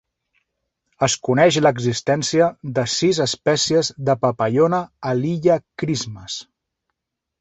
Es coneix l'existència de sis espècies de papallona a l'illa Christmas.